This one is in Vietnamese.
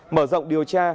mở rộng điều tra